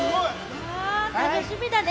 楽しみだね。